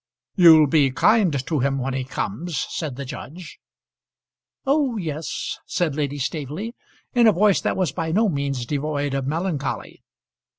"You'll be kind to him when he comes?" said the judge. "Oh, yes," said Lady Staveley, in a voice that was by no means devoid of melancholy.